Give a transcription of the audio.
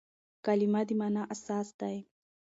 کلیمه د مانا اساس دئ.